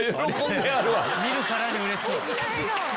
見るからにうれしそう！